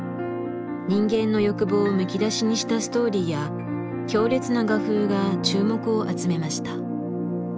人間の欲望をむき出しにしたストーリーや強烈な画風が注目を集めました。